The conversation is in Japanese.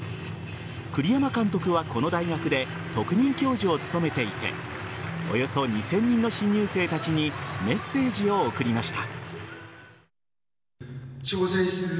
栗山監督はこの大学で特任教授を務めていておよそ２０００人の新入生たちにメッセージを送りました。